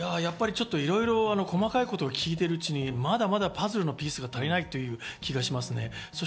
いろいろ細かいことを聞いているうちに、まだまだパズルのピースが足りないという気がします。